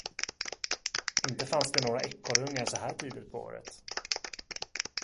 Inte fanns det några ekorrungar så här tidigt på året.